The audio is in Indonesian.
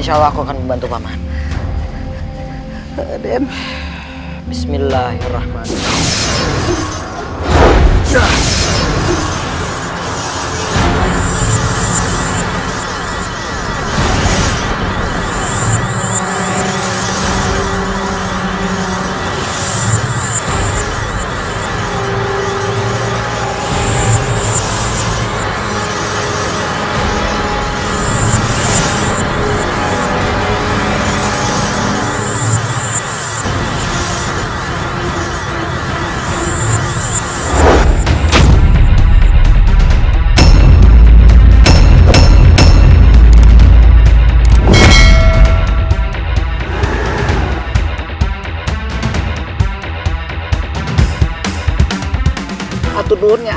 tidak ada br area terbuka